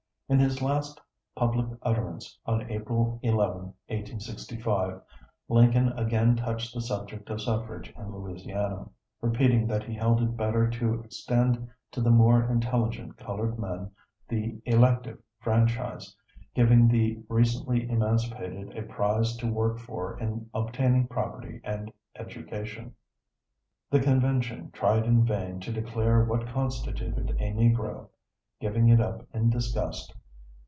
In his last public utterance on April 11, 1865, Lincoln again touched the subject of suffrage in Louisiana, repeating that he held it better to extend to the more intelligent colored men the elective franchise, giving the recently emancipated a prize to work for in obtaining property and education. The Convention tried in vain to declare what constituted a Negro, giving it up in disgust.